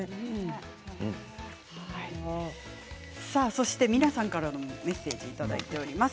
そして皆さんからのメッセージをいただいています。